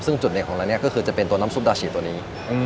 ซึ่งที่จะเป็นน้ำซุปดาชิตัวนี้